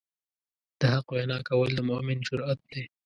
د حق وینا کول د مؤمن جرئت دی.